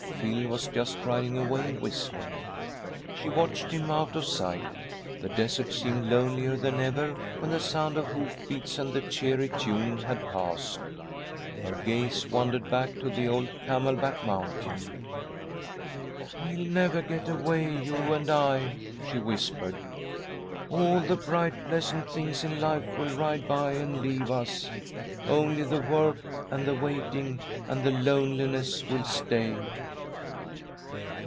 Phil was just riding away whistling. She watched him out of sight. The desert seemed lonelier than ever when the sound of hoof beats and the cheery tune had passed. Her gaze wandered back to old Camelback Mountain. "We'll never get away, you and I," she whispered. "All the bright, pleasant things in life will ride by and leave us. Only the work and the waiting and the loneliness will stay."